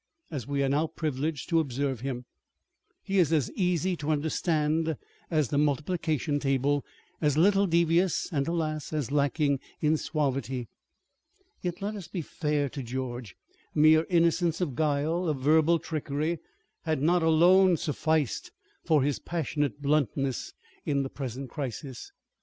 As we are now privileged to observe him, he is as easy to understand as the multiplication table, as little devious and, alas! as lacking in suavity. Yet, let us be fair to George. Mere innocence of guile, of verbal trickery, had not alone sufficed for his passionate bluntness in the present crisis.